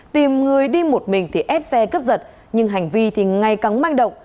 tìm người đi một mình thì ép xe cướp giật nhưng hành vi thì ngay cắn manh động